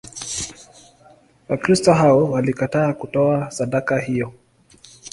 Wakristo hao walikataa kutoa sadaka hiyo.